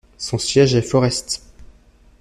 Son siège est Forest.